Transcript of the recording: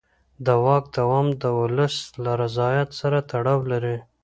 د واک دوام د ولس له رضایت سره تړاو لري